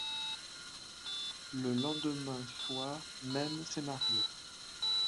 Le lendemain soir, même scénario.